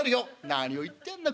「何を言ってやんだ。